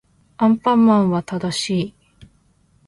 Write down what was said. アンパンマンは正しい